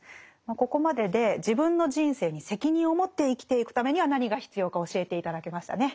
ここまでで自分の人生に責任を持って生きていくためには何が必要か教えて頂けましたね。